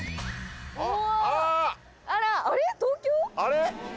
あれ？